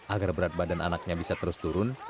agar berat badan anaknya bisa terus turun